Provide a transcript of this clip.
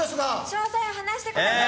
詳細を話してください！